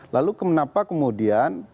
lalu kenapa kemudian